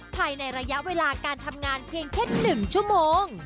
ภายในระยะเวลาการทำงานเพียงแค่๑ชั่วโมง